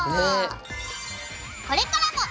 これからも